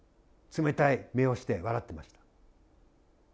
冷たい目をして笑ってました。